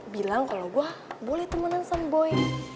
bilang kalo gue boleh temenan sama gue